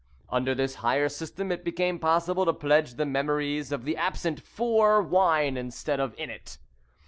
Under this hire system it became possible to pledge the memories of the absent for wine instead of in it.